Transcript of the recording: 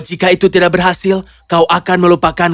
jika itu tidak berhasil kau akan melupakanku janet